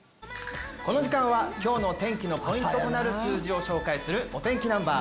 この時間は今日の天気のポイントとなる数字を紹介するお天気ナンバー。